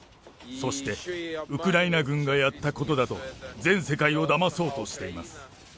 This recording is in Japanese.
そして、ウクライナ軍がやったことだと全世界をだまそうとしています。